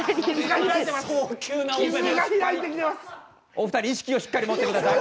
お二人意識をしっかり持って下さい。